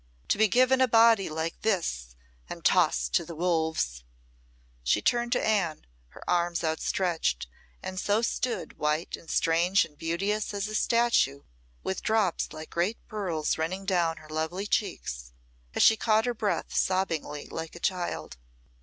To be given a body like this and tossed to the wolves." She turned to Anne, her arms outstretched, and so stood white and strange and beauteous as a statue, with drops like great pearls running down her lovely cheeks, and she caught her breath sobbingly, like a child.